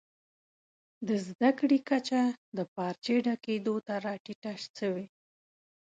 د زده کړي کچه د پارچې ډکېدو ته راټیټه سوې.